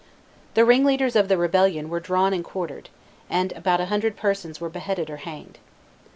The ringleaders of the rebellion were drawn and quartered, and about a hundred persons were beheaded or hanged.